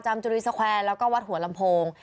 จุรีสแควร์แล้วก็วัดหัวลำโพง